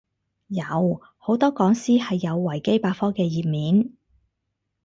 有，好多講師係有維基百科嘅頁面